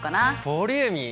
ボリューミー？